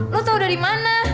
lu tau dari mana